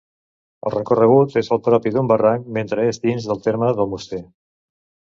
El recorregut és el propi d'un barranc mentre és dins del terme d'Almoster.